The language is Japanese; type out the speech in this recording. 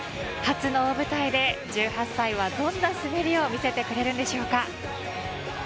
初の大舞台で１８歳は、どんな滑りを見せてくれるのでしょうか。